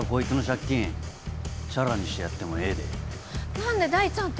何で大ちゃんと。